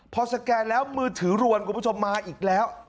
พอสแกนแล้วมือถือรวนมาอีกแล้ว